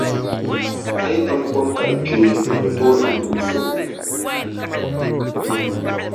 A yi tam kom ka di kpee di ni tooi niŋ gulisigu.